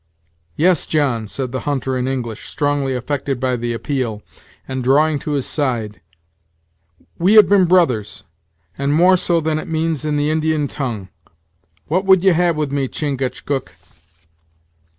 "Yes, John," said the hunter, in English, strongly affected by the appeal, and drawing to his side, "we have been brothers; and more so than it means in the Indian tongue. What would ye have with me, Chingachgook?"